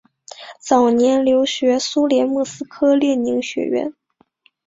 早年留学苏联莫斯科列宁学院。